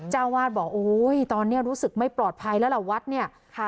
เจ้าวาดบอกโอ้ยตอนนี้รู้สึกไม่ปลอดภัยแล้วล่ะวัดเนี่ยค่ะ